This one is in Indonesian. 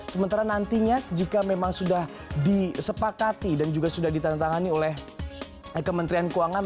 sementara nantinya jika memang sudah disepakati dan juga sudah ditandatangani oleh kementerian keuangan